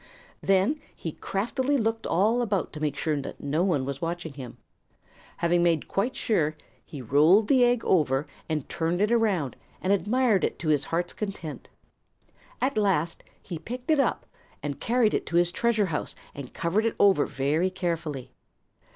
Than he craftily looked all about to make sure that no one was watching him. Having made quite sure, he rolled the egg over and turned it around and admired it to his heart's content. At last he picked it up and carried it to his treasure house and covered it over very carefully.